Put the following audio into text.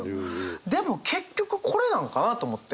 でも結局これなんかなと思って。